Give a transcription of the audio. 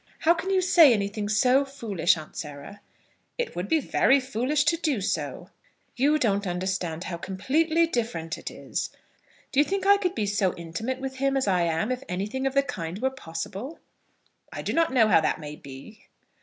"How can you say anything so foolish, Aunt Sarah?" "It would be very foolish to do so." "You don't understand how completely different it is. Do you think I could be so intimate with him as I am if anything of the kind were possible?" "I do not know how that may be."